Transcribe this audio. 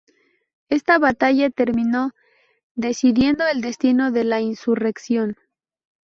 Esta batalla terminó decidiendo el destino de la insurrección.